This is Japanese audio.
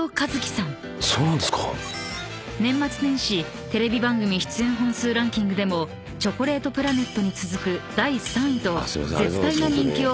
［年末年始テレビ番組出演本数ランキングでもチョコレートプラネットに続く第３位と絶大な人気を誇っている］